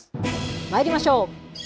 まいりましょう。